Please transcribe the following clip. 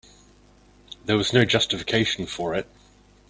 There was no justification for it.